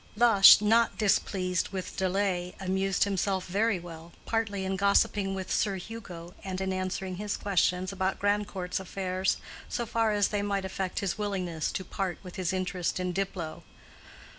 Lush, not displeased with delay, amused himself very well, partly in gossiping with Sir Hugo and in answering his questions about Grandcourt's affairs so far as they might affect his willingness to part with his interest in Diplow.